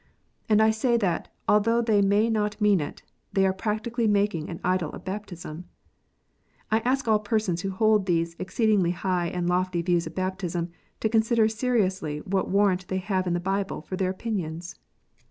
And I say that, although they may not mean it, they are practically making an idol of baptism. I ask all persons who hold these exceedingly high and lofty views of baptism, to consider seriously what warrant they have in the Bible for their opinions.